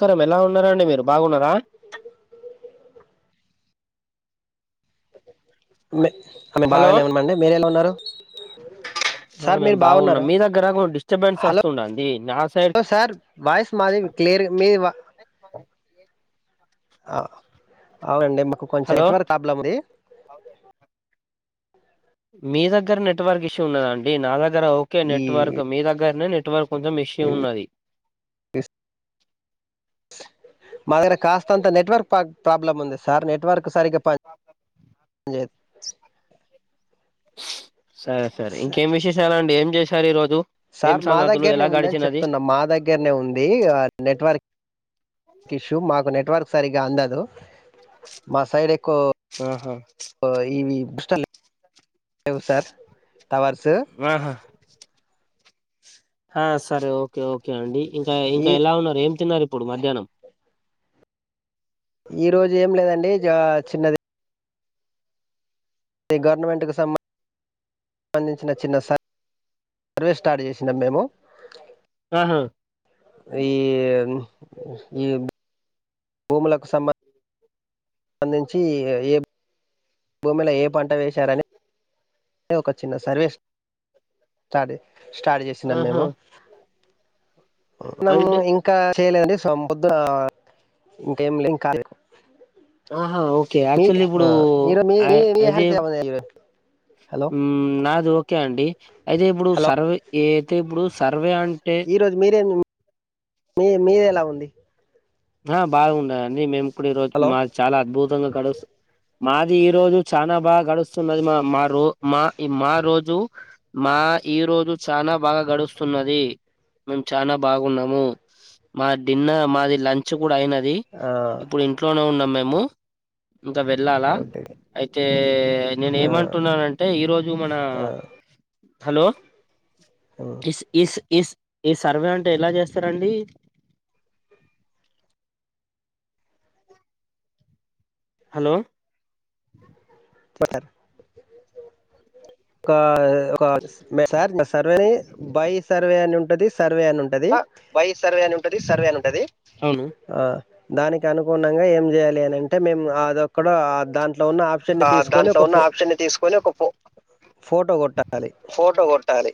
కరం ఎలా ఉన్నారంాండి మీరు బాగున్నారా ఆమె హలో బాగానేమన్నామండి మీర ఎలా ఉన్నారు ఆ సార్ మేం మీరు బాగున్నాం బాగున్నారా మీ దగ్గర కొంచెం డిస్టర్బెన్స్ హలో వస్తుండడి నా సైడ్ సార్ వాయిస్ మాది క్లియర్ మీ ఆ ఆడి నా కొంచెం హలో నెట్వర్క్ ప్రాబ్లంది మీ దగ్గర నెట్వర్క్ ఇష్యూ ఉన్నదండి నా దగ్గర గ ఓకే ఈ నెట్వర్క్ మీ దగ్ర తమ కొంచెం విషయం ఉన్నది మా దగ్గర కాస్త అంత నెట్వర్క్ ప్రాబ్లమ్ ఉంది సార్ నెట్వర్క్ సారికి పా జ స్ సరే సరే ఇంకేం విశేషాలు అండిం చేశారు ఈ రోజు ఏం సార్ మా సంగతులు దగ్గరనే ఎలా ఉందని గడిచినది చెప్తున్నా మా దగ్గరనే ఉంది నెట్వర్క్ క షూ మాకు నెట్వర్క్ సరిగ్గా అందదు మా సైడ్ ఎకు ఆహా ఈవి బుస్తతలే అబ సార్ తవ స ఆహా ఆ సరే ఓకే ఓకే అండి ఇంకా ఈ ఇంకా ఎలా ఉన్నారు ఏం అ చిన్నారిపోడు మధ్యాహ్నం ఈ రోజు ఏం లేదండి జ చిన్నది గవర్నమెంట్కు సంబంధం సంబంధించిన చిన్న సారి సర్వేస్ స్టార్ట్ చేసందాం మేము ఆహా ఈ ఏ భూములకు సంబంధం సంబందించి ఏ భూమిలో ఏ పంట వేశారని అ ఒక చిన్న సర్వేస్ స్రార్ స్టార్ట్ చేసినాం ఆహా మేము నమ్ము అంటే ఇంకా చేయలేదండి సొం పోద్దున ఇంకేం లేం ఇంకా ఆహా ఓ కే యాక్చువల్లీ ఇప్పుడు ఆ, ఈరోజు మీ మీ మీ అదే హ్యాపీ ఏమైంది ఈరోజు? హలో నాది ఓకే అండి అయితే ఇప్పుడు సర్వే ఏ తే ఇప్పుడు సర్ ఈ రోజు మీరే మీ మీదేలా ఉంది ఆ బాగున్నాదండి మేం ఇప్పుడు ఈ రోజు హలో మా చాలా అద్భుతంగా గడుస్తు మాది ఈ రోజు చానా బాగా గడుస్తున్నది మా మా రో మా ఈ మా రోజు మా ఈ రోజు చానా బాగా గడుస్తున్నది, మేము చానా బాగున్నాము, మా డిన్న మాది లం కూడా అయినది ఆ, ఇప్పుడు ఇంట్లోనే ఉన్నమ్ మేము ఇంకా వెళ్ళాలా ఓకే అయితే, నేను ఆ, ఏమంటున్నానంటే ఈ రోజు మన ఆ, hello um. Is is is ఈ సర్వే అంటే ఎలా చేస్తారండి హలో [inaudible] ఒక ఒక మే సార్ సర్వేని బై సర్వే అని ఉ ప్రదేశ్ వై సర్వే అని ఉంటది, సర్వే అని ఉంటది ఆ దానికి అనుగుణంగా ఏం ఎం దానికి చెయ్యాలనంటే మేమ్ అనుగుణంగా ఆదోక్కడ దాంట్లో ఉన్న అప్షన్ ని ఆ తీస్కొని దాంట్లో ఒక ఉన్న ఫో ఆప్షన్ ని తీసుకొని ఒక ఫో ఫోటో కొట్టాలి ఫోటో కొట్టాలి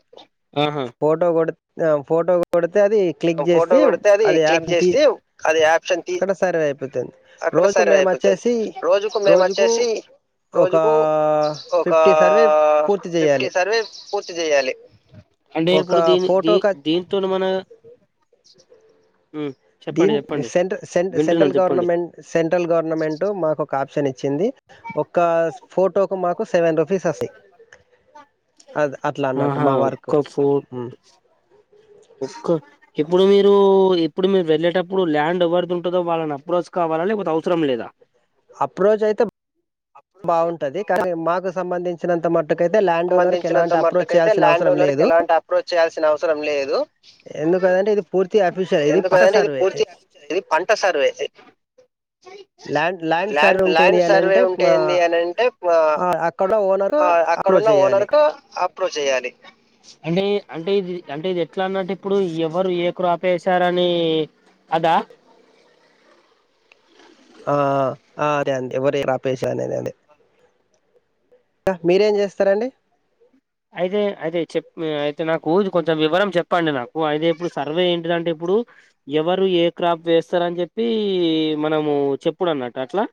ఆహా ఫోటో కొడితే [unintelligible] ఫోటో కొడితే అది క్లిక్ ఫోటో చేసి కొడితే అది యాప్ క్లిక్ ది చేస్తే అది ఆప్షన్ తీ అక్కడ రోజుకు సర్వే మేము అయిపోతుంది వచ్చేసి రోజుకు మేము వచ్చేసి ఒక రోజుకు ఒక ఫిఫ్టీ సర్వే పూర్తి ఫిఫ్టీ చేయాలి సర్వే పూర్తి చేయాలి, ఒక ఫోటోక తోని మన దీ చెప్పండి చెప్పండి సె సెంట్రల్ వింటున్నాను చెప్పండి గవర్నమెంట్ సెంట్రల్ గవర్నమెంట్ మాకు ఒక ఆప్షన్ ఇచ్ చ్చింది ఒక ఫోటో కు మాకు కు సెవెన్ రూపీస్ అస్తాయి, అది అట్లా అన్నట్టు ఆహా మా వర్క్ ఒక్క ఫోర్ ఉమ్. ఒక్క ఇప్పుడు మీరు. ఇప్పుడు మీరు వెళ్ళేటప్పుడు ల్యాండ్ ఎవరి దుంటాదొ వాళ్ళను అప్రోజ్ అడడు. అప్రోచ్ అయితే అప్రోచ్ అయితే బాగుంటది కానీ మాకు సంబంధి. ఇచ్చినత మత్. సంబంధించినంత మట్టుకైతే, ల్యాండ్ అవసరం ఓనర్ కి లేదు ఎలాంటి అప్రోచ్ చేయాల్సిన అవసరం లేదు, ఎందుకదంటే ఇది పూర్తి అఫీషియల్ ఇది పట్ట ఎందుకంటే ఇది సర్వే పూర్తి ఇది పంట సర్వే. ల్యాండ్ ల్యాండ్ సార్ ఉంటేది ల్యాండ్ అని సర్వే అంటే ఉంటే మ ఏంది అని అంటే అ అక్కడ ఓనరు. అ అక్కడ ఉన్న ఓనర్ కు అప్రోచ్ చేయ్యాలి. అంటే అంటే ఇది అంటే ఇది ఎట్లా అన్నట్టు ఇప్పుడు ఎవరు ఏ కురాప ఎసారని అద. ఆ అదే అ ఎవరు ఏ కాప్ వేషరని అని అదే. ఇంకా మీరేం చేస్తారండి. అయితే అయితే చెప్ అయితే నాకు ఇది కొంచెం వివరం చెప్పండి నాకు అయితే ఇప్పుడు సర్వే ఏంటిదంటే ఇప్పుడు, ఎవరు ఏ క్రాప్ వేస్తారని చెప్పి, మనము, చెప్పుడు డన్నట్ల అట్లా.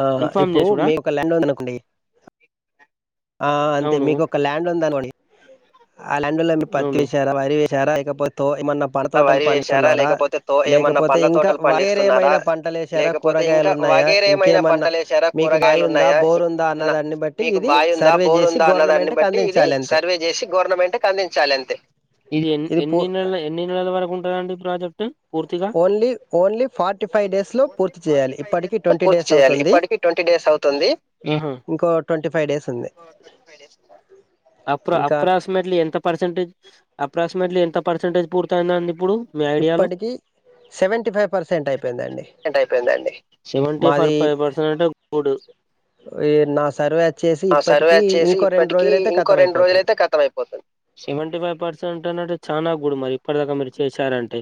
ఆ ఇన్ఫార్మ్ ఇప్పుడు చేసుడా మీ ఒక ల్యాండ్ ఉంది అనుకోండి. ఆ అంతే అవును మీకు ఒక ల్యాండ్ ఉందనుకోండి. ఆ లెండ లో మీరు పత్తి అవును ఎసారా వరి వెసారా ఇకపోతో ఏమన్నా. పనతోటలు వరి వేశారా పండుస్తున్నారా, లేకపోతే తో ఏమన్నా లేకపోతే పండ్ల ఇంకా తోటలు పండిస్తున్నారా వేరేమైనా పంటలు ఎసారా లేకపోతే ఇంకా కూరగాయలు ఉన్నాయా వగేర ఏమైనా ఇంకేమన్నా, పంటలు వేసారా మీకు కూరగాయలు బాయి ఉందా, బోరు ఉందా, అన్న దాన్ని బట్టి ఇది. సర్వే బో చేసి ఉందా అన్న దాన్ని గవర్నమెంట్ కి బట్టి ఇది అందించాలి అంతే సర్వేస్ చే గవర్నమెంట్ అందించాలంతే. ఇది పూ అన్నటివరకుంటుందండి ప్రాజెక్టు. ఉమ్ పూర్తిగా only only forty five days లో పూర్తి చేయాలి ఇప్పటికి ట్వంటీ పూర్తి డేస్ చెయ్యాలి అవుతుంది ఎప్పటికి టోంటి డేస్ అవుతుంది ఉహు ఇంకో ట్వంటీ ఫైవ్ డేస్ ఉంది ఇంకా అప్ర స్మెంటిలి ఎంత పర్సెంట్జి అప్రస్. ఇంనేట్లి ఎంత పసంటేజ్ పూర్. ఇత్తనండి ఇప్పుడు. మీ ఐడియాలు, ఇప్పటికి సెవెంటీ ఫైవ్ పర్సెంట్ అయిపోయిందండి సిమెంట్ అవుపోయిందండి సేవంటి మాది ఫైవ్ పర్సెంట్ అంటే ఉడుస్ ఈ నా సర్వే వచ్చేసి అ సర్వే ఇప్పటికి అచ్చేసి ఇంకో రెండు ఇప్పటికి రోజులైతే ఇంకో కతం రెండు అయిపోతుంది రోజులయితే కతం ఐపోతాది సేవంటి పై పర్సెంట్ అంటే ఏంటంటే చానా కు. ఇప్పుడు మరి. ఇప్పటిదాకా మీరు చేశారండి.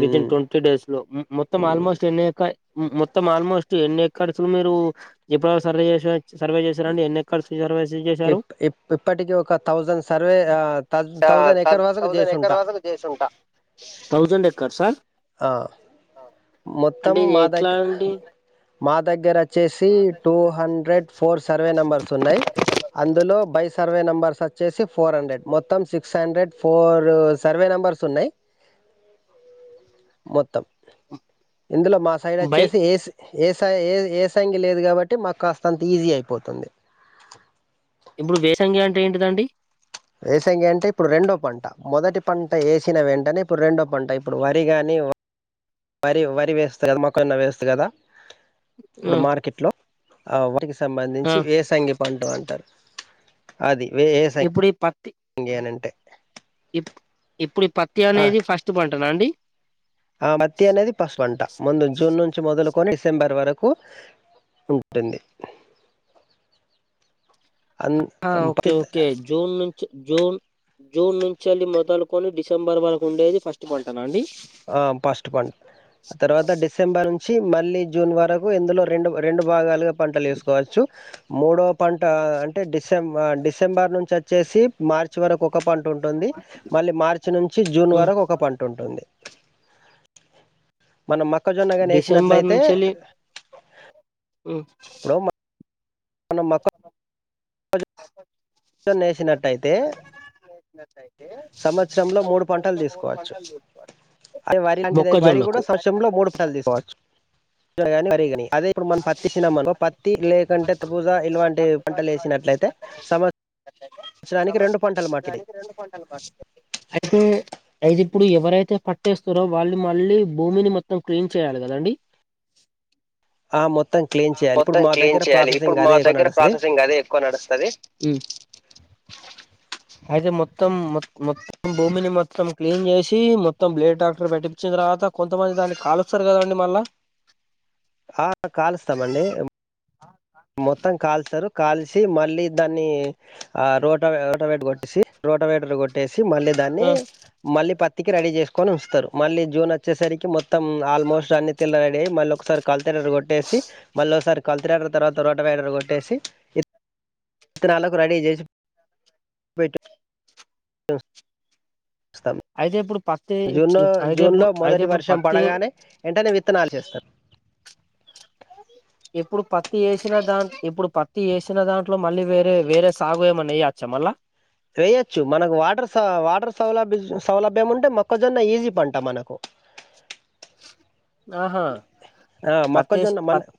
వితిన్ ట్వంటీ డేస్ లో మొత్తం ఉమ్ ఆల్మోస్ట్ ఎన్ని ఎకయ్. మొత్తం ఆల్మోస్ట్ ఎన్ని ఎక్కర్స్లు మీరు ఎప్పుడ సర్వే చేసి న. సర్వే చేశారండి ఎన్నికలు సర్వే. ఇ చేశారు ఇ ఇప్పటిక ఒక థౌజన్ సర్వే థౌజన్ ఎకర్ వసకు థౌజండ్ చేసుంట. ఎకర్ వరకు చేసుంటా థౌజండ్ ఎక్కర్ సా. ఆ అంటే మొత్తము ఇది మా ఎట్లా దగ్గ, అండి మా దగ్గర అచ్చేసి, two hundred four survey numbers ఉన్నాయి, అందులో బై సర్వే నెంబర్స్ అచ్చేసి. ఫోర్ హండ్రెడ్ మొత్తం six hundred four, survey numbers ఉన్నాయి. మొత్తం. ఇందులో మా సైడ్ బై అచ్చేసి ఏసి. ఏసై ఏ ఏ సంగి లేదు కాబట్టి మాకు కాస్త అంత ఈజీ అయిపోతుంది ఇప్పుడు వేసంగి అంటే ఏంటిదండి వేసంగ అంటే ఇప్పుడు రెండో పంట మొదటి పంట వేసిన వెంటనే ఇప్పుడు రెండో పంట ఇప్పుడు వరి కానీ వరి వరి వేస్తు కదా మొక్కన్న వేస్తుంది కదా ఆ ఇప్పుడు మార్కెట్ లో అ వాటికీ ఆ సంబంధించి వేసంగి పంట అంటారు అది ఎప్పుడ ప ఇంగే అనంటే ఇప్పుడు ఈ పత్తి అనేది ఫస్ట్ పంటనా అండి ఆ బతి అనేది పసుపు పంట ముందు జూన్ నుంచి మొదలుకొని డిసెంబర్ వరకు ఉంటుంది అన్ ఓకే పత్తి ఓకే జూన్ నుంచి జూన్ జూన్ నుంచి అళ్ మొదలుకొని డిసెంబర్ వరకు ఉండేది ఫస్ట్ పంటను అండి ఆ ఫస్ట్ పం ఆ తర్వాత డిసెంబర్ నుంచి మళ్ళీ జూన్ వరకు ఇందులో రెండు రెండు భాగాలుగా పంటలు చేసుకోవచ్చు మూడో పంట అంటే డిసెం డిసెంబర్ నుంచి వచ్చేసి మార్చి వరకు ఒక పంట ఉంటుంది మళ్ళీ మార్చి నుంచి జూన్ ఉమ్ వరకు ఒక పంట ఉంటుంది మనం మొక్కజొన్నగాని డిసెంబర్ వేసినట్లయితే నుంచెల్లి ఉమ్ మన మకాం మకాం ప నేసినట్టయితే నేసినట్టయితే సంవత్సరంలో మూడు పంటలు తీసుకోవచ్చు పంటలు చేసుకోవాలి అది వరిలాంటి వరి మొక్కజొన్నకు కూడా సంవత్సరంలో మూడు పంటలు తీసుకోవచ్చు రి అదే ఇప్పుడు మనం పత్తి సినినమ పత్తి లేకుంటే త పూజా ఇలాంటి పంటలు వేసినట్లయితే సమచ్రానికి రెండు పంటలు మాటిది సంవత్సరానికి రెండు పంటలు పండుతాయి అయితే అయితే ఇప్పుడు ఎవరైతే పట్టేస్తారో వాళ్ళు మళ్ళీ భూమిని మొత్తం క్లీన్ చేయాలి కదండి ఆ మొత్త ఆ మొత్తం క్లీన్ చేయాలి ఇప్పుడు మా అదే ఎక్కువ దగ్గర నడుస్తది ప్రాసెసింగ్ అదే ఎక్కువ నడుస్తుంది అయితే మొత్తం మొత్తం భూమిని మొత్తం క్లీన్ చేసి మొత్తం బ్లేడ్ డాక్టర్ పెటిచున్ తర్వాత కొంతమంది దానికి కాలుస్తారు కదండి మళ్ళా ఆ కలుష్టం అండీ మొత్తం కాలుస్తారు కాల్చి మళ్ళీ దాన్ని ఆ రోట రోటవేట కొట్టేసి రోటవేటర్ కొట్టేసి మళ్ళీ దాన్ని మళ్ళీ పత్తికి రెడీ చే కొని వస్తారు, మళ్ళీ జూన్ వచ్చేసరికి మొత్తం ఆల్మోస్ట్ అన్ని తీల్ల రెడ అయ్య మళ్ళీ ఒకసారి కల్థియేటర్ కొట్టేసి, మళ్ళ ఒకసారి కల్థియ తర్వాత రోట రైడర్ కొట్టేసి ఇత్తరాలకు రెడీ చేసి స అయితే ఇప్పుడు పక్ జూన్లో జూన్లో మొదటి వర్షం పత్తి పడగానే వెంటనే విత్తనాలు చేస్తారు ఇప్పుడు పత్తి వేసిన దాన్, ఇప్పుడు పత్తి వేసిన దాంట్లో మళ్ళీ వేరే వేరే సాగు ఏమన్నాయ వేయొచ్చా మల్ళా వేయొచ్చు మనకు వాటర్ వాటర్ సౌల సౌలభ్యం ఉంటే మొక్కజొన్న ఈజీ పంట మనకు ఆహా ఆ పత్తి వేసి మొక్కజొన్న మన పత్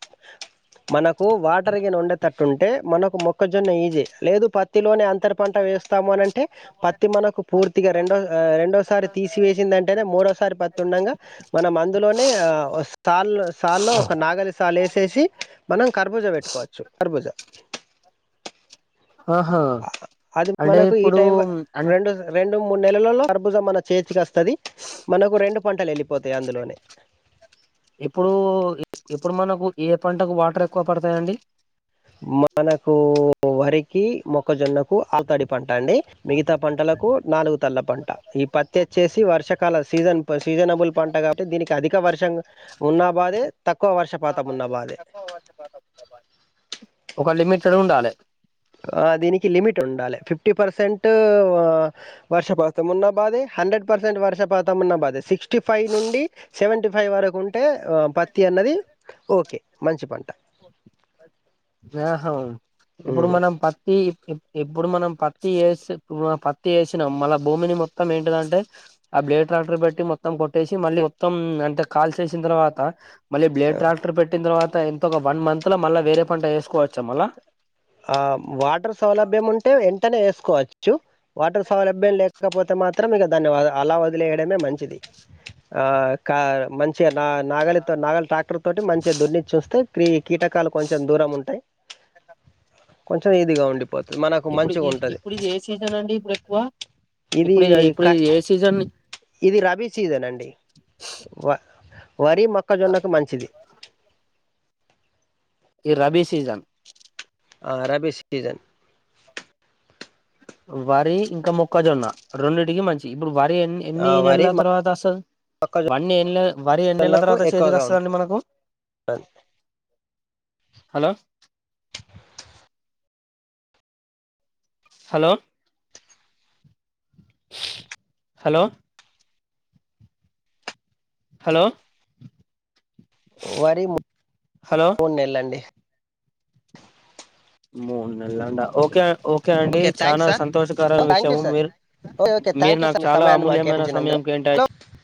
మనకు వాటర్గా ఉండేటట్టుంటే మనకు మొక్కజొన్న ఈజీ లేదు పత్తిలోనే అం పత్తర పంట వేస్తాము అనింటే పత్తి మనకు పూర్తిగా, రెండో రెండోసారి తీసివేసిందింటేనే మూడోసారి పత్తి ఉండగా మనం అందులోనే సాల్ సాల్లో ఒక నాగలి సాాలు వేసేసి మనం కర్బుజ పెట్టుకోవచ్చు కర్బుజ ఆహా అది అంటే మనకు ఈ ఇప్పుడు టై అం రెండు రెండు మూడు నెలలో భజం మన చేతికి వస్తది మనకు రెండు పంటలు వెళ్ళిపోతాయి అందులోనే ఈ ఏ పంటకు వాటర్ ఎక్కువ పడతాయండి మనకు వరికి, మొక్కజొన్నకు, ఆలుతాడి పంట అండి, మిగతా పంటలకు నాలుగు తల్ల పంట ఈ పత్తి వచ్చేసి వర్షకాల సీజన్ సీజనబుల్ పంట కాబట్టి దీనికి అధిక వర్షం ఉన్నా బాధే తక్కువ వర్షపాతం ఉన్న బాధే. [inaudible] లిమిటెడ్ డ ఉండాలే దీనికి లిమిట్ ఉండాలి, ఫిఫ్టీ పర్సెంట్ వర్షపాతం ఉన్న బాధే, హండ్రెడ్ పర్సెంట్ వర్షపాతం ఉన్న బాధే, సిక్స్టీ ఫైవ్ నుండి సెవెంటీ ఫైవ్ వరకు ఉంటే పత్తి అన్నది ఓకే మంచి పంట ఆహా ఎప్పుడు హ్మ్. మన ఈ ఇప్పుడు మనం పత్తి వసిప్పు పత్తి వేసినాం, మళ్ళ భూమిని మొత్తం ఏంటిదంటే ఆ బ్లేడ్ ట్రాక్టర్ బట్టి మొత్తం కొట్టేసి, మళ్ళీ మొత్తం అంటే కాల్చేసిన తర్వాత మళ్ళ ఆ బ్లేడ్ ట్రాక్టర్ పెట్టిన తవాత తా ఒక వన్ మంత్ లో మళ్ళా వేరే పంట వేసుకోవచ్చా మళా ఆ వాటర్ సౌలభ్యం ఉంటే ఎ అనే వేసుకోవచ్చు, వాటర్ సౌలభ్యం లేకపోతే మాత్రం ఇక దాన్ని అలా వదిలేయడమే మం ది ఆ కా మంచి నా నాగలితో నాగ ట్రాక్టర్ తోటి మంచిగా దొడ్ని చూస్తే త్రి కీటకాలు కొంచెం దూరం ఉంటాయి కొంచెం ఇదిగా ఉండి మనకు ఇప్పుడు మంచిగా ఉంటది ఇప్పుడు ఇది ఏ సీజన్ అండి ఇప్పుడు ఎక్కువ ఇది ఇప్పుడు ఇప్పుడు క ఏ సీజన్ ఇది రబీ సీజన్ అండి వరి మొక్కజొన్నకు మంచిది ఈ రబీ సీజన్ ఆ రబీ సీజన్ వరి ఇంకా మొక్కజొన్న రెండిటికి మంచి వరి ఎన్ని ఆ, ఎన్ని వరి నెలల తర్వాత వస్తది. మొక్కజొన్నకు వని వరి ఎన్ని నెలల తర్వాత చేతికి ఎక్కువగా ఉంటుంది వస్తదండి మనకు? హలో హలో హలో హలో వరి మూ హలో మూడు నెల్లండి మూడు నెలలంట ఓకే ఓ ఓకే అండి థ్యాంక్ చానా సార్ సంతోషకర థ్యాంక్ యూ విషయము సార్ మీరు ఓకే ఓకే థ్యాంక్ మీరు యూ నాకు సార్ మీ చాలా సమయాన్ని మాకు అమూల్యమైన సమయం కేటాయించినందుకు కేటాయించా